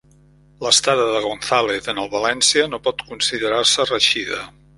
L'estada de González en el València no pot considerar-se reeixida.